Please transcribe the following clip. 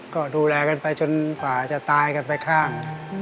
ก็ดูแลกันไปจนกว่าจะตายกันไปข้าง